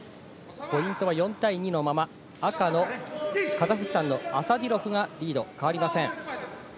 ポイントは４対２のまま、赤のカザフスタンのアサディロフがリードは変わりません。